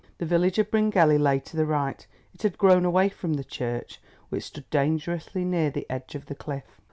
The village of Bryngelly lay to the right. It had grown away from the church, which stood dangerously near the edge of the cliff.